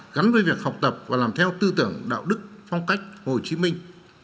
gắn với việc học tập và làm theo tư tưởng đạo đức phong cách hồ chí minh